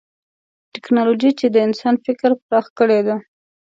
ټکنالوجي د انسان فکر پراخ کړی دی.